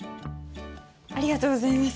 ありがとうございます。